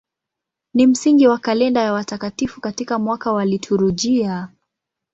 Ni msingi wa kalenda ya watakatifu katika mwaka wa liturujia.